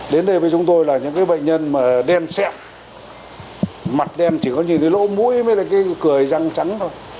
đến đây với chúng tôi là những cái bệnh nhân mà đen xẹp mặt đen chỉ có những cái lỗ mũi với cái cười răng trắng thôi